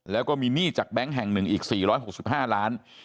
แล้วก็มีหนี้จากแบงค์แห่งหนึ่งอีก๔๖๕ล้าน